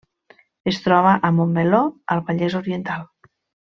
Es troba a Montmeló, al Vallès Oriental.